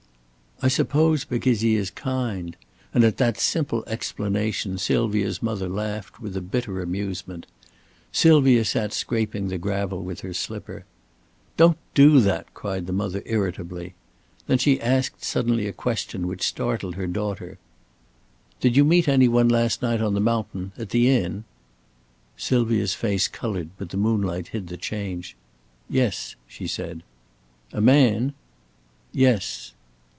"I suppose because he is kind"; and at that simple explanation Sylvia's mother laughed with a bitter amusement. Sylvia sat scraping the gravel with her slipper. "Don't do that!" cried her mother, irritably. Then she asked suddenly a question which startled her daughter. "Did you meet any one last night on the mountain, at the inn?" Sylvia's face colored, but the moonlight hid the change. "Yes," she said. "A man?" "Yes."